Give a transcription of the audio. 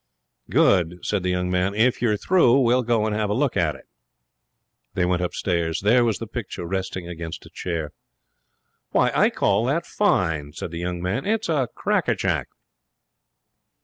'Good,' said the young man. 'If you're through, we'll go and have a look at it.' They went upstairs. There was the picture resting against a chair. 'Why, I call that fine,' said the young man. 'It's a cracker jack.'